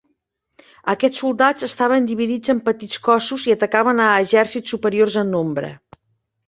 Aquests soldats estaven dividits en petits cossos i atacaven a exèrcits superiors en nombre.